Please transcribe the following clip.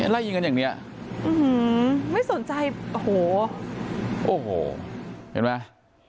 อ๋อไล่ยิงกันอย่างเนี้ยอื้อหือไม่สนใจโอ้โหโอ้โหเห็นไหม